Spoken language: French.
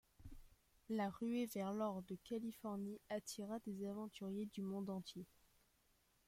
La ruée vers l'or de Californie attira des aventuriers du monde entier.